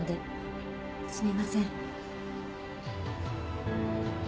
すみません。